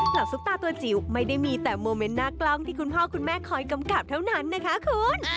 ซุปตาตัวจิ๋วไม่ได้มีแต่โมเมนต์หน้ากล้องที่คุณพ่อคุณแม่คอยกำกับเท่านั้นนะคะคุณ